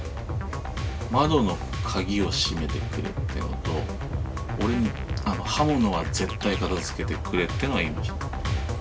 窓の鍵を閉めてくれっていうのと俺に刃物は絶対片づけてくれっていうのは言いました。